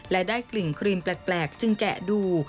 และได้กลิ่นครีมแปลกจึงแกะดู